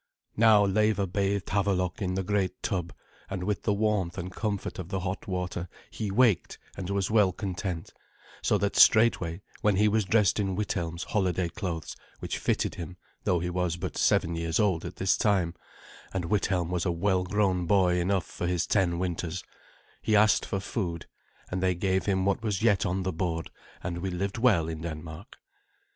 Now Leva bathed Havelok in the great tub, and with the warmth and comfort of the hot water he waked and was well content, so that straightway, when he was dressed in Withelm's holiday clothes, which fitted him, though he was but seven years old at this time, and Withelm was a well grown boy enough for his ten winters, he asked for food, and they gave him what was yet on the board; and we lived well in Denmark.